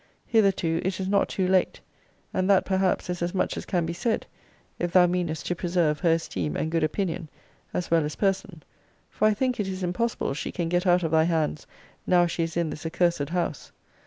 Hitherto, it is not too late; and that perhaps is as much as can be said, if thou meanest to preserve her esteem and good opinion, as well as person; for I think it is impossible she can get out of thy hands now she is in this accursed house.